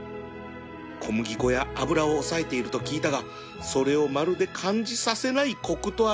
小麦粉や油を抑えていると聞いたがそれをまるで感じさせないコクと味わいだ